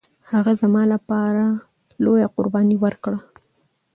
هغه زما لپاره لويه قرباني ورکړه